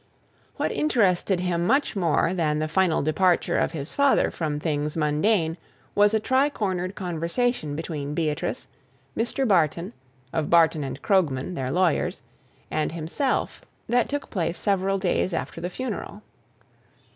What interested him much more than the final departure of his father from things mundane was a tri cornered conversation between Beatrice, Mr. Barton, of Barton and Krogman, their lawyers, and himself, that took place several days after the funeral.